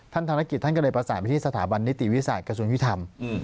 ธนกิจท่านก็เลยประสานไปที่สถาบันนิติวิทยาศาสตร์กระทรวงยุทธรรม